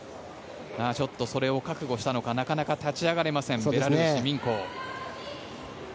ちょっとそれを覚悟したのかなかなか立ち上がれませんベラルーシ、ミンコウ。